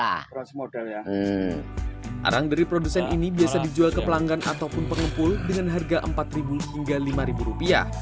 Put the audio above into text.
arang dari produsen ini biasa dijual ke pelanggan ataupun pengepul dengan harga rp empat hingga rp lima